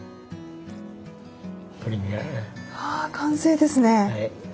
あ完成ですね。